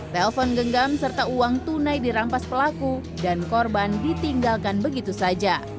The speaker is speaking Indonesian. telepon genggam serta uang tunai dirampas pelaku dan korban ditinggalkan begitu saja